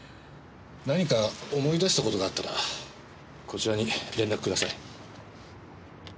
何か思い出した事があったらこちらに連絡ください。